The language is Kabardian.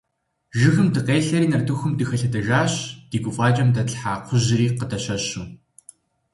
Жыгым дыкъелъэри нартыхум дыхэлъэдэжащ, ди гуфӀакӀэм дэтлъхьа кхъужьри къыдэщэщу.